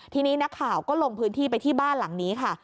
ทีนี้นักข่าวก็ลงพื้นที่ไปที่บ้านหลังนี้ค่ะ